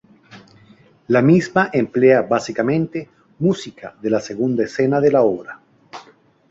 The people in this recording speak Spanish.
La misma emplea básicamente música de la segunda escena de la obra.